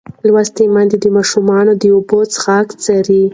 لوستې میندې د ماشومانو د اوبو څښاک څاري.